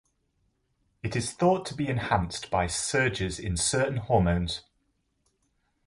It is thought to be enhanced by surges in certain hormones.